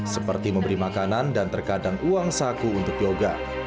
seperti memberi makanan dan terkadang uang saku untuk yoga